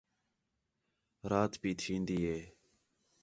رات پئی تھین٘دی ہے